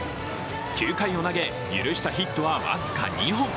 ９回を投げ、許したヒットは僅か２本。